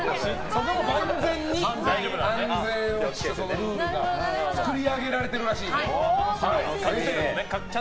万全に万全を期してルールが作り上げられているらしい。